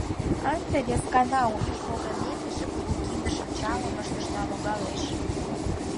Ынде вескана, уэш погынен, эше кугу кинде-шинчалым ышташна логалеш.